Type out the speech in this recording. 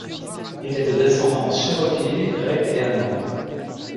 Il est de descendance cherokee, grecque et allemande.